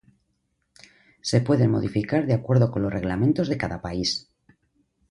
Se pueden modificar de acuerdo con los reglamentos de cada país.